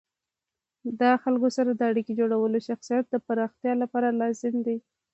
د خلکو سره د اړیکو جوړول د شخصیت د پراختیا لپاره لازمي دي.